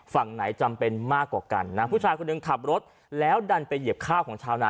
ฝั่งไหนจำเป็นมากกว่ากันนะผู้ชายคนหนึ่งขับรถแล้วดันไปเหยียบข้าวของชาวนา